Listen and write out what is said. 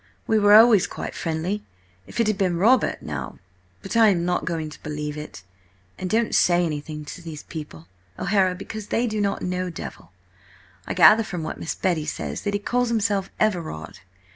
We were always quite friendly–if it had been Robert now— But I am not going to believe it. And don't say anything to these people, O'Hara, because they do not know Devil. I gather from what Miss Betty says, that he calls himself Everard.